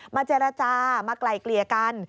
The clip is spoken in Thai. เจรจามาไกลเกลี่ยกัน